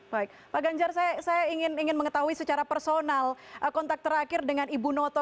baik pak ganjar saya ingin mengetahui secara personal kontak terakhir dengan ibu noto